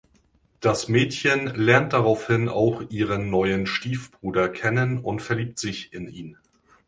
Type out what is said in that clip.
Das Mädchen lernt daraufhin auch ihren neuen Stiefbruder kennen und verliebt sich in ihn.